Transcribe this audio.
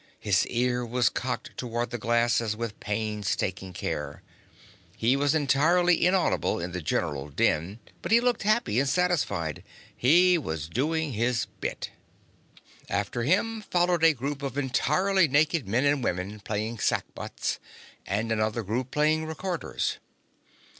His ear was cocked toward the glasses with painstaking care. He was entirely inaudible in the general din, but he looked happy and satisfied; he was doing his bit. After him followed a group of entirely naked men and women playing sackbuts, and another group playing recorders.